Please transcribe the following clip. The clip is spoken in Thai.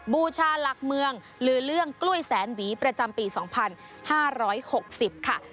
บูชาหลักเมืองหรือเรื่องกล้วยแสนหวีประจำปี๒๕๖๐ค่ะ